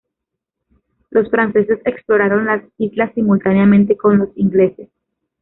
Los franceses exploraron las islas simultáneamente con los ingleses.